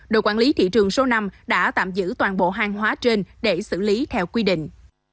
đội quản lý thị trường số năm đã tạm giữ toàn bộ hàng hóa trên để xử lý theo quy định